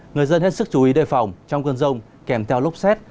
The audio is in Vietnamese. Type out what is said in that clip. người dân hết sức chú ý đề phòng trong cơn rông kèm theo lốc xét